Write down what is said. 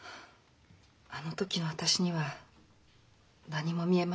あの時の私には何も見えませんでした。